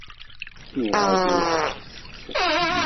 Nniɣ-ak ur tettett.